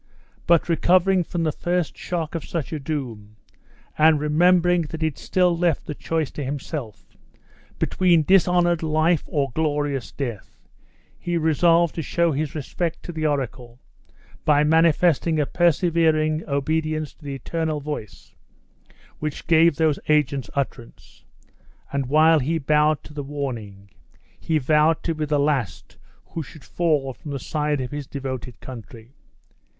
But recovering from the first shock of such a doom, and remembering that it still left the choice to himself, between dishonored life or glorious death, he resolved to show his respect to the oracle by manifesting a persevering obedience to the eternal voice which gave those agents utterance: and while he bowed to the warning, he vowed to be the last who should fall from the side of his devoted country.